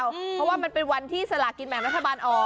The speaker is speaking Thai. เพราะว่ามันเป็นวันที่สลากินแบ่งรัฐบาลออก